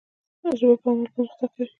ژبه په عمل پرمختګ کوي.